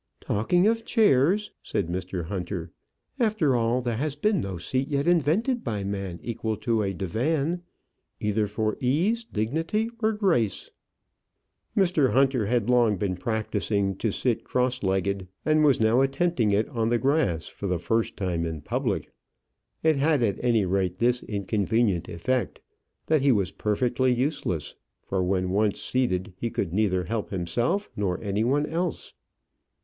"Talking of chairs," said Mr. Hunter, "after all there has been no seat yet invented by man equal to a divan, either for ease, dignity, or grace." Mr. Hunter had long been practising to sit cross legged, and was now attempting it on on the grass for the first time in public. It had at any rate this inconvenient effect, that he was perfectly useless; for, when once seated, he could neither help himself nor any one else.